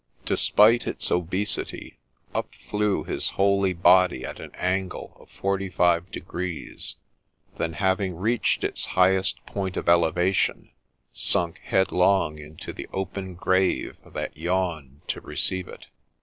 Despite its obesity, up flew his holy body in an angle of forty five degrees ; then, having reached its highest point of elevation, sunk headlong into the open grave that yawned to receive it.